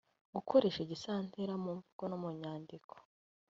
gukoresha igisantera mu mvugo no mu nyandiko